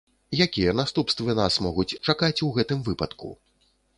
Якія наступствы нас могуць чакаць у гэтым выпадку?